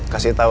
kasih tahu aku